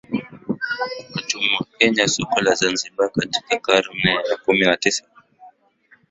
Watumwa kwenye soko la Zanzibar katika karne ya kumi na tisa